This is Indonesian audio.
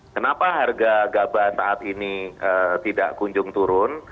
kenapa harga gabah saat ini tidak kunjung turun